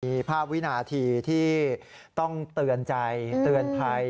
มีภาพวินาทีที่ต้องเตือนใจเตือนภัย